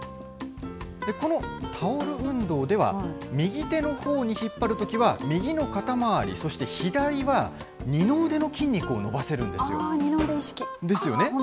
このタオル運動では、右手のほうに引っ張るときは右の肩回り、そして左は二の腕の筋肉を伸ばせるんですよ。ですよね。